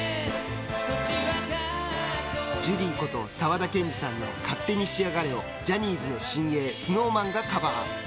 ジュリーこと沢田研二さんの「勝手にしやがれ」をジャニーズの新鋭ＳｎｏｗＭａｎがカバー。